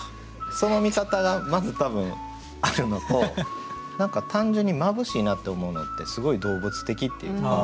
その見方がまず多分あるのと何か単純に眩しいなって思うのってすごい動物的っていうか。